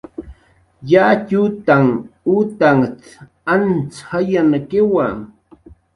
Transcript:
"Yatxutanh utanht"" antz jayankiwa"